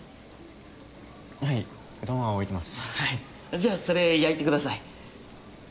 じゃあそれ焼いてください。